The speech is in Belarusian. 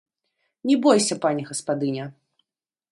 Не бойся, пані гаспадыня!